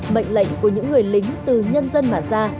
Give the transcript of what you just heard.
mệnh lệnh của những người lính từ nhân dân mà ra